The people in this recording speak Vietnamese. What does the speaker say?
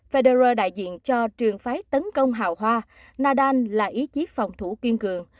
federer đại diện cho trường phái tấn công hào hoa nadal là ý chí phòng thủ kiên cường